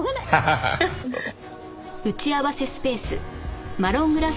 ハハハッ！